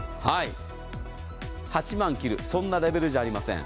８万切るそんなレベルじゃありません。